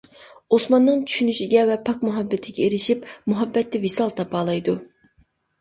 ئوسماننىڭ چۈشىنىشىگە ۋە پاك مۇھەببىتىگە ئېرىشىپ، مۇھەببەتتە ۋىسال تاپالايدۇ.